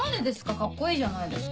カッコいいじゃないですか。